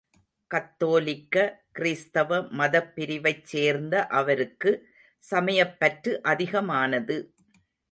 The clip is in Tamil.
கத்தோலிக்க கிறித்தவ மதப்பிரிவைச் சேர்ந்த அவருக்கு சமயப்பற்று அதிகமானது.